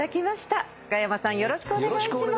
よろしくお願いします。